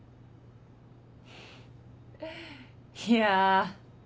いや。